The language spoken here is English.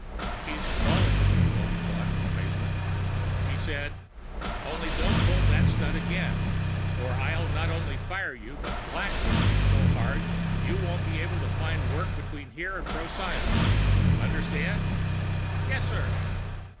He's crawling to me, Walton thought in amazement. He said, "Only don't pull that stunt again, or I'll not only fire you but blacklist you so hard you won't be able to find work between here and Procyon. Understand?" "Yes, sir."